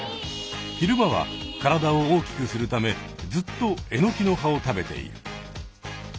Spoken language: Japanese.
昼間は体を大きくするためずっとエノキの葉を食べている。